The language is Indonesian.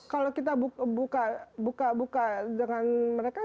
kalau kita buka buka dengan mereka